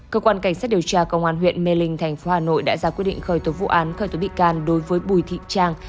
cơ quan cảnh sát điều tra công an huyện mê linh thành phố hà nội đã ra quyết định khởi tố vụ án khởi tố bị can đối với bùi thị trang